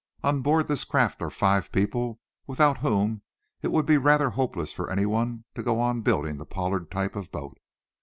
On board this craft are five people without whom it would be rather hopeless for anyone to go on building the Pollard type of boat.